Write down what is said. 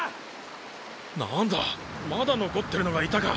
なんだまだ残ってるのがいたか。